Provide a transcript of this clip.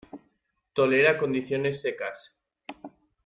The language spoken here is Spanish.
Tolera condiciones secas.